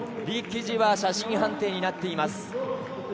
李奇時は写真判定になっています。